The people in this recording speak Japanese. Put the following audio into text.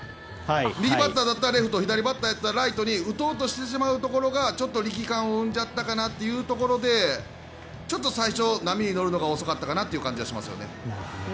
右バッターだったらレフト左バッターならライトに打つところをちょっと力感を生んじゃったかなというところで最初、波に乗るのが遅かったかなという感じはしますね。